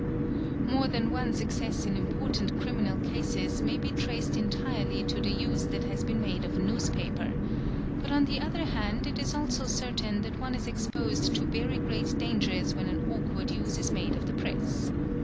More than one success in important criminal cases may be traced : entirely to the use that has been made of a newspaper, but on the other hand, it is also certain that one is exposed to very great dangers when an : wkward use is made of the press.